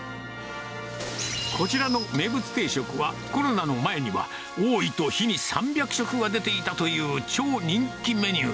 こちらの名物定食は、コロナの前には、多いときに３００食は出ていたという、超人気メニュー。